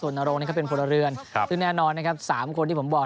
นโรงนี้ก็เป็นพลเรือนซึ่งแน่นอนนะครับ๓คนที่ผมบอก